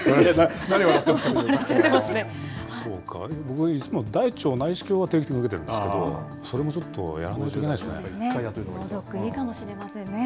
そうか、僕はいつも、大腸内視鏡は定期的に受けているんですけど、それもちょっとやら脳ドックいいかもしれませんね。